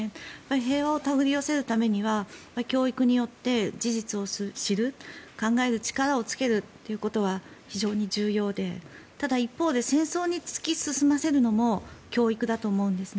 平和を手繰り寄せるためには教育によって事実を知る考える力をつけるということは非常に重要で、ただ一方で戦争に突き進ませるのも教育だと思うんですね。